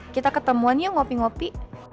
kita ketemuannya ngopi ngopi